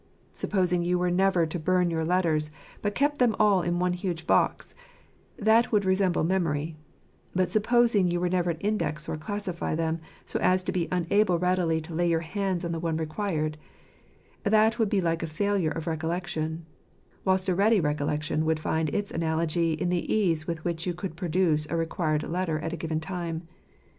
Supposing you were never to burn your letters, but kept them all in one huge box — that would resemble memory ; but suppos ing you were never to index or classify them, so as to be unable readily to lay your hands on the one required — that would be like a failure of recollection; whilst a ready recollection would find its analogy in the ease with which you could produce a required letter at a given time.